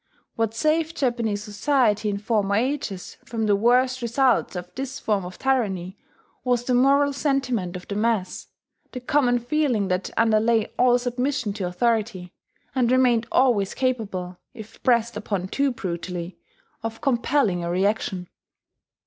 What saved Japanese society in former ages from the worst results of this form of tyranny, was the moral sentiment of the mass, the common feeling that underlay all submission to authority, and remained always capable, if pressed upon too brutally, of compelling a reaction.